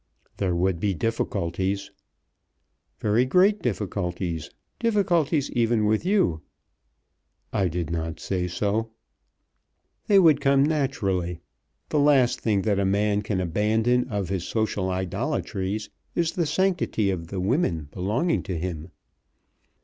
"There would be difficulties." "Very great difficulties, difficulties even with you." "I did not say so." "They would come naturally. The last thing that a man can abandon of his social idolatries is the sanctity of the women belonging to him."